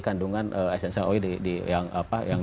kandungan essential oil yang